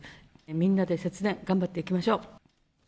みんなで節電、頑張っていきましょう！